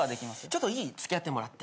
ちょっといい？付き合ってもらって。